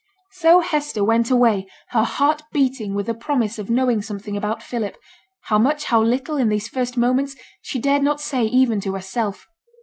So Hester went away, her heart beating with the promise of knowing something about Philip, how much, how little, in these first moments, she dared not say even to herself.